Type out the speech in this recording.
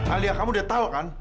alia kamu udah tau kan